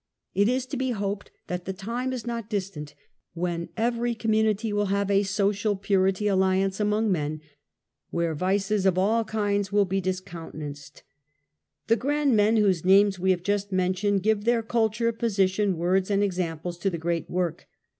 It is to be hoped that the time is not distant when every community will have a Social Purity Alliance among men, where vices of all kinds will be discoun tenanced. The grand men whose names we have just men tioned, give their culture, position, words and exam ples to the great work.